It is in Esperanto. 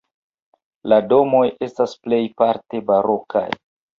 La domoj estas plejparte barokaj.